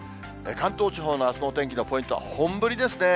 関東地方のあすのお天気のポイントは本降りですね。